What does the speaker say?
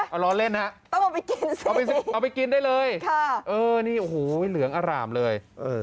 เออร้อนเล่นนะครับเอาไปกินได้เลยเออนี่เหลืองอร่ามเลย